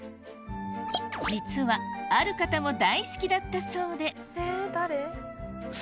実はある方も大好きだったそうでえっ誰？